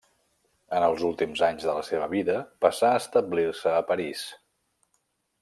En els últims anys de la seva vida passà a establir-se a París.